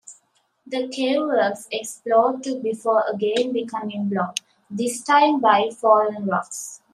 The cave was explored to before again becoming blocked, this time by fallen rocks.